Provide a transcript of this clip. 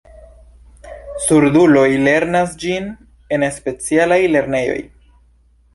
Surduloj lernas ĝin en specialaj lernejoj.